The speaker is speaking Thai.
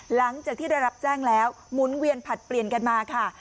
หลังจากที่ได้รับแจ้งแล้วหมุนเวียนผลัดเปลี่ยนกันมาค่ะ